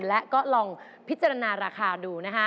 และก็ลองพิจารณาราคาดูนะคะ